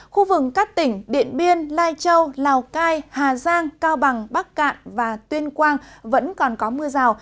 khu vực các tỉnh điện biên lai châu lào cai hà giang cao bằng bắc cạn và tuyên quang vẫn còn có mưa rào